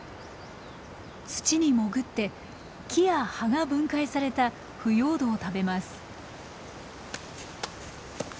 土に潜って木や葉が分解された腐葉土を食べます。